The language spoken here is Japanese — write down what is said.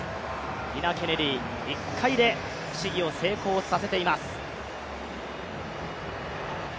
ニナ・ケネディ、１回で試技を成功させています。